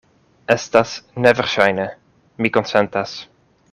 Estas neverŝajne; mi konsentas.